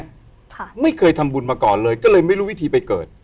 ค่ะไม่เคยทำบุญมาก่อนเลยก็เลยไม่รู้วิธีไปเกิด